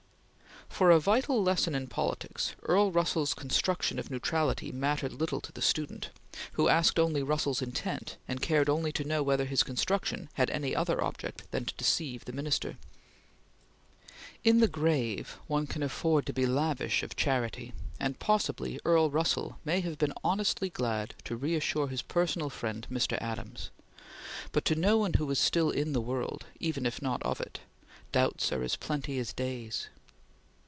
For a vital lesson in politics, Earl Russell's construction of neutrality mattered little to the student, who asked only Russell's intent, and cared only to know whether his construction had any other object than to deceive the Minister. In the grave one can afford to be lavish of charity, and possibly Earl Russell may have been honestly glad to reassure his personal friend Mr. Adams; but to one who is still in the world even if not of it, doubts are as plenty as days.